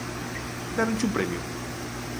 –¿Déronche un premio?